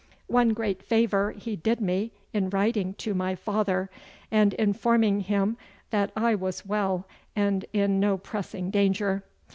One great favour he did me in writing to my father, and informing him that I was well and in no pressing danger.